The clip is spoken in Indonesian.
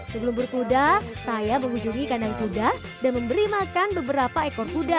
sebelum berkuda saya mengunjungi kandang kuda dan memberi makan beberapa ekor kuda